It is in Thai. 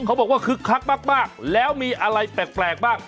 เขาบอกว่าคึกคักมากแล้วมีอะไรแปลกบ้าง